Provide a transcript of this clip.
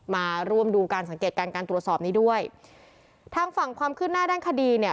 มาร่วมดูการสังเกตการการตรวจสอบนี้ด้วยทางฝั่งความคืบหน้าด้านคดีเนี่ย